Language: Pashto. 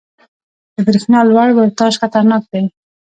• د برېښنا لوړ ولټاژ خطرناک دی.